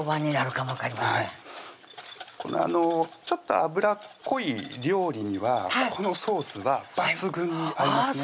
このちょっと油っこい料理にはこのソースは抜群に合いますね